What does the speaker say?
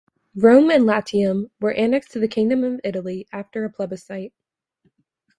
Rome and Latium were annexed to the Kingdom of Italy after a plebiscite.